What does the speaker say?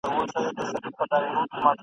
بل ته پاته سي که زر وي که دولت وي !.